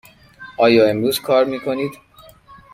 آیا امروز کار می کنید؟